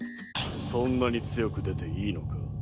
そんなに強く出ていいのか？